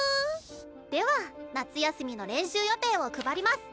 では夏休みの練習予定を配ります。